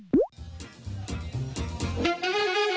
ฮู้ฮ่า